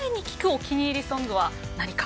お気に入りソングは何か。